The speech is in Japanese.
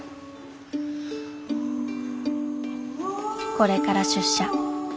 これから出社。